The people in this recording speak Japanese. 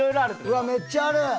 うわっめっちゃある！